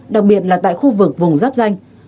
đặc biệt là tại khu vực vùng rắp danh